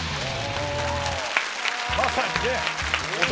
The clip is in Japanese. まさにね。